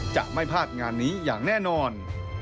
จะไม่พลาดงานนี้อย่างแน่นอน